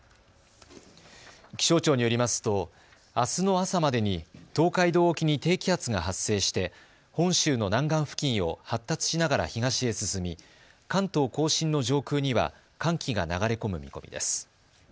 気象庁によりますとあすの朝までに東海道沖に低気圧が発生して本州の南岸付近を発達しながら東へ進み、関東甲信の上空には寒気が流れ込む見込みです。